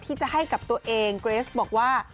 ที่จะให้กับตัวเองเกรสบอกว่า